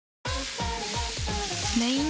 メイン